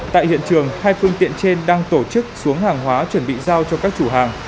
tại hiện trường hai phương tiện trên đang tổ chức xuống hàng hóa chuẩn bị giao cho các chủ hàng